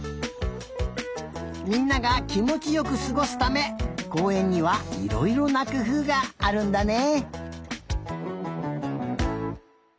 みんながきもちよくすごすためこうえんにはいろいろなくふうがあるんだね。